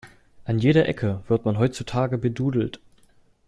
An jeder Ecke wird man heutzutage bedudelt.